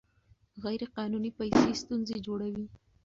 غیر قانوني پیسې ستونزې جوړوي.